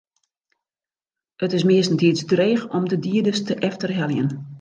It is meastentiids dreech om de dieders te efterheljen.